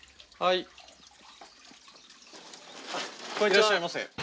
いらっしゃいませ。